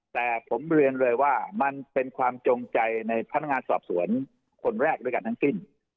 แต่ผมเรียนเลยว่ามันเป็นความจงใจในพนักงานสอบสวนคนแรกด้วยกันทั้งสิ้น